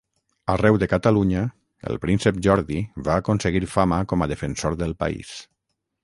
Arreu de Catalunya, el Príncep Jordi va aconseguir fama com a defensor del país.